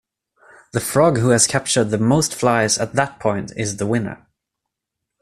The frog who has captured the most flies at that point is the winner.